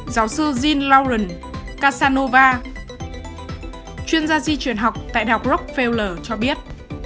giáo sư jean laurent casanova chuyên gia di chuyển học tại đh rockefeller cho biết